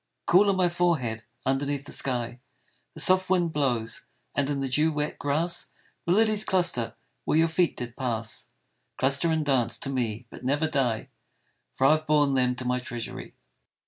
Cool on my forehead underneath the sky The soft wind blows, and in the dew wet grass The lilies cluster where your feet did pass, Cluster and dance to me but never die, For I have borne them to my treasury.